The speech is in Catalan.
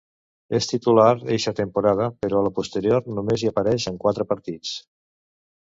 És titular eixa temporada però a la posterior només hi apareix en quatre partits.